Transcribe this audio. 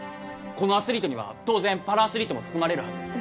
この「アスリート」には当然パラアスリートも含まれるはずです